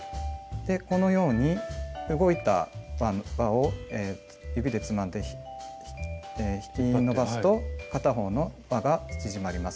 このように動いた輪を指でつまんで引き伸ばすと片方の輪が縮まります。